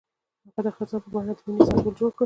هغه د خزان په بڼه د مینې سمبول جوړ کړ.